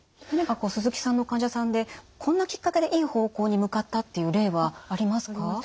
何かこう鈴木さんの患者さんでこんなきっかけでいい方向に向かったっていう例はありますか？